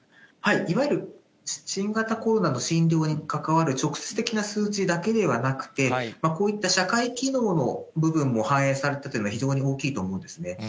いわゆる新型コロナの診療に関わる直接的な数値だけではなくて、こういった社会機能の部分も反映されたというのは非常に大きいと思うんですね。